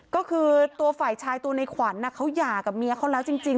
ก็คือตัวฝ่ายชายตัวในขวัญเขาหย่ากับเมียเขาแล้วจริง